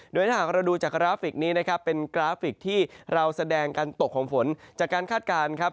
โดยถ้าหากเราดูจากกราฟิกนี้นะครับเป็นกราฟิกที่เราแสดงการตกของฝนจากการคาดการณ์ครับ